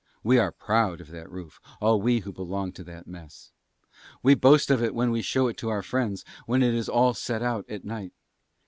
We are proud of that roof, all we who belong to that Mess. We boast of it when we show it to our friends when it is all set out at night.